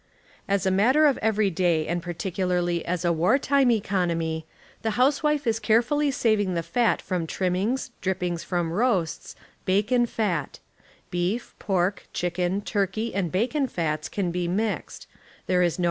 As a matter of every day and particularly as a war time economy^ the housewife is carefully saving the fat from trim mings, drippings from roasts, bacon fat ; beef, pork, chicken, p, turkey and bacon fats can be mixed ; there is no